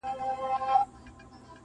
يوه بهرنۍ ښځه عکس اخلي او يادښتونه ليکي,